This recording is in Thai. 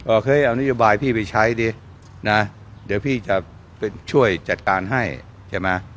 เคยเอานโยบายพี่ไปใช้ดินะเดี๋ยวพี่จะไปช่วยจัดการให้ใช่ไหม